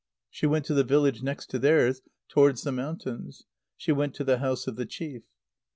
She went to the village next to theirs, towards the mountains. She went to the house of the chief.